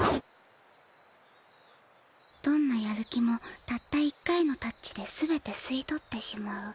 どんなやる気もたった一回のタッチで全てすい取ってしまう。